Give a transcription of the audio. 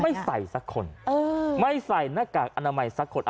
ไม่ใส่สักคนไม่ใส่หน้ากากอนามัยสักคน